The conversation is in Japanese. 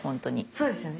そうですよね。